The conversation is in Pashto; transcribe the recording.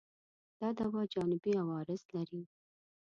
دا دوا جانبي عوارض لري؟